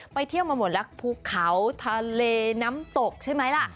เที่ยวมาหมดแล้วภูเขาทะเลน้ำตกใช่ไหมล่ะ